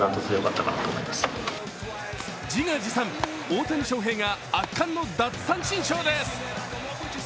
自画自賛、大谷翔平が圧巻の奪三振ショーです。